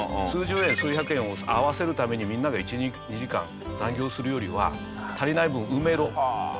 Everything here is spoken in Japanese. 数十円数百円を合わせるためにみんなが１２時間残業するよりは足りない分埋めろ。